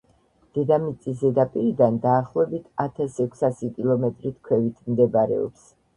დედამიწის ზედაპირიდან დაახლოებით ათას ექვსასი კილომეტრით ქვევით მდებარეობს.